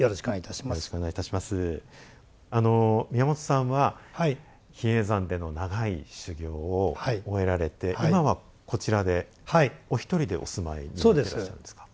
宮本さんは比叡山での長い修行を終えられて今はこちらでお一人でお住まいになってらっしゃるんですか？